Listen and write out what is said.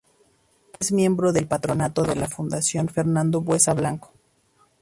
Es miembro del Patronato de la Fundación Fernando Buesa Blanco.